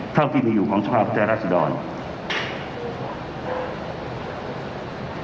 เท่าที่มีอยู่ของสมาชิกพุทธรรศดร